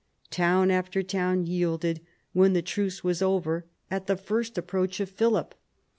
Town after town yielded, when the truce was over, at the first approach of Philip.